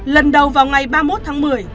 lần đầu vào ngày ba mươi một tháng một mươi